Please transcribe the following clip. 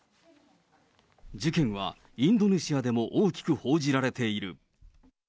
事件はインドネシアでも大きく報じられている。